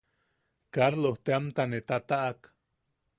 Karloj teamta ne tataʼak.